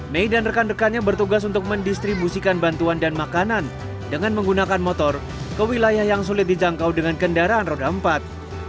mei dan rekan rekannya bertugas untuk mendistribusikan bantuan dan makanan dengan menggunakan motor ke wilayah yang sulit dijangkau dengan kendaraan roda empat